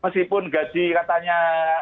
meskipun gaji katanya